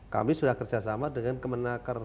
kami sudah kerjasama dengan